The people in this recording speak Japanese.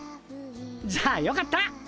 じゃあよかった！